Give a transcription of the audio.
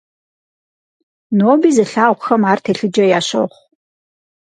Ноби зылъагъухэм ар телъыджэ ящохъу.